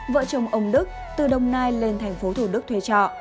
vợ chồng ông đức từ đông nai lên tp thủ đức thuê trọ